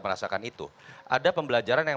merasakan itu ada pembelajaran yang